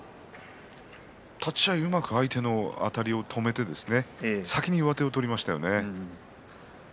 立ち合いがうまく相手のあたりを止めて先に上手を取りましたね。